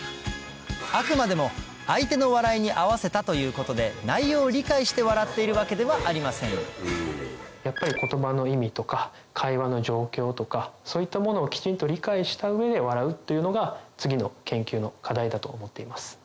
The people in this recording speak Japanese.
あくまでも相手の笑いに合わせたということでやっぱり言葉の意味とか会話の状況とかそういったものをきちんと理解した上で笑うというのが次の研究の課題だと思っています。